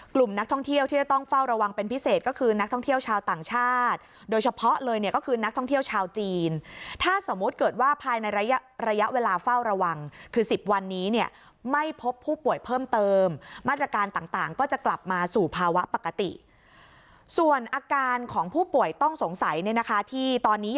กลุ่มนักท่องเที่ยวที่จะต้องเฝ้าระวังเป็นพิเศษก็คือนักท่องเที่ยวชาวต่างชาติโดยเฉพาะเลยเนี่ยก็คือนักท่องเที่ยวชาวจีนถ้าสมมุติเกิดว่าภายในระยะระยะเวลาเฝ้าระวังคือสิบวันนี้เนี่ยไม่พบผู้ป่วยเพิ่มเติมมาตรการต่างต่างก็จะกลับมาสู่ภาวะปกติส่วนอาการของผู้ป่วยต้องสงสัยเนี่ยนะคะที่ตอนนี้